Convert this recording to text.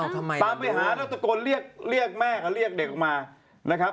ตามไปหารักษกรเรียกแม่ก็เรียกเด็กออกมานะครับ